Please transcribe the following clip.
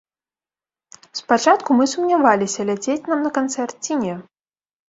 Спачатку мы сумняваліся, ляцець нам на канцэрт ці не.